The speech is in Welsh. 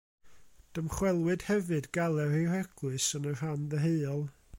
Dymchwelwyd hefyd galeri'r eglwys yn y rhan ddeheuol.